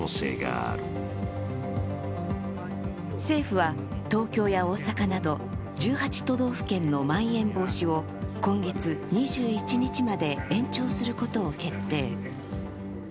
政府は東京や大阪など１８都道府県のまん延防止を今月２１日まで延長することを決定。